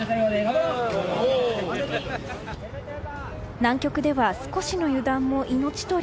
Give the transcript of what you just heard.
南極では少しの油断も命取り。